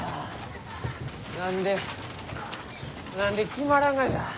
何で何で決まらんがじゃ。